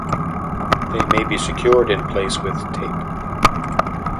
They may be secured in place with tape.